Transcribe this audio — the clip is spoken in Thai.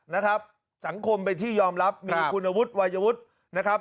นะครับสังคมเป็นที่ยอมรับมีคุณวุฒิวัยวุฒินะครับ